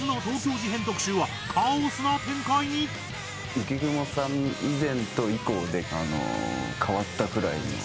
浮雲さん以前と以降であの変わったくらいの。